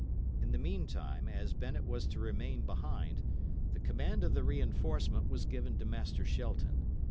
In the meantime, as Bennet was to remain behind, the command of the reinforcement was given to Master Shelton.